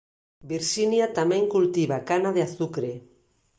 Virxinia tamén cultiva cana de azucre.